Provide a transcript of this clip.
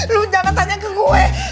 loh jangan tanya ke gue